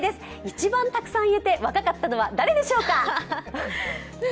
一番たくさん言えて若かったのは誰でしょうか。